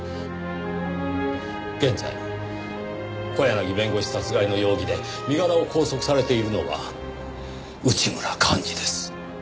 現在小柳弁護士殺害の容疑で身柄を拘束されているのは内村完爾です。